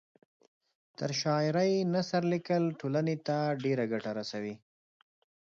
تر شاعرۍ نثر لیکل ټولنۍ ته ډېره ګټه رسوي